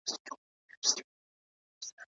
په اروپا کي بدلونونو سياسي فضا بدله کړه.